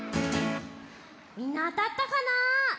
みんなあたったかな？